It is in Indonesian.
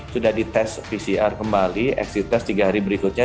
sudah dites pcr kembali eksit tes tiga hari berikutnya